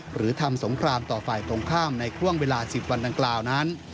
หรือทำสงครามต่อฝ่ายตรงข้ามในช่วงเวลา๑๐วันดังกล่าวนั้น